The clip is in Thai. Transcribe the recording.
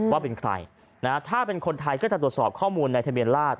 ว่าเป็นใครถ้าเป็นคนไทยก็จะตรวจสอบข้อมูลในทะเบียนราช